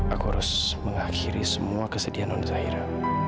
aku harus mengakhiri semua kesedihan non zero